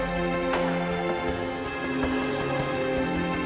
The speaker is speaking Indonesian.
dia juga menangis